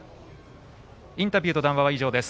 インタビューと談話は以上です。